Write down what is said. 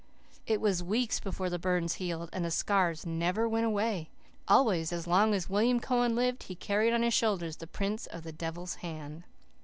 It was weeks before the burns healed, and the scars never went away. Always, as long as William Cowan lived, he carried on his shoulders the prints of the devil's hand."